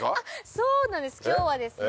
そうなんです今日はですね